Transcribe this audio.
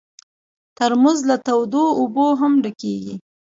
ترموز له تودو اوبو هم ډکېږي.